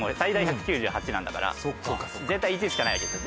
絶対１しかないんですよ。